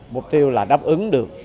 mục tiêu là đáp ứng được